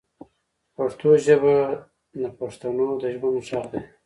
پښتو ژبه د بښتنو د ژوند ږغ دی